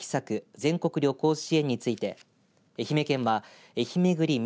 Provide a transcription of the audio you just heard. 全国旅行支援について愛媛県はえひめぐりみ